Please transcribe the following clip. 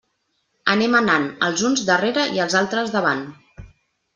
Anem anant, els uns darrere i els altres davant.